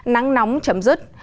nắng nóng chấm dứt